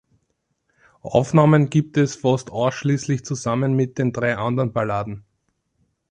Aufnahmen gibt es fast ausschließlich zusammen mit den drei anderen Balladen.